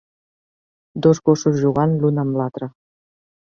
dos gossos jugant l'un amb l'altre